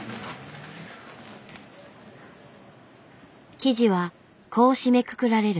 記事はこう締めくくられる。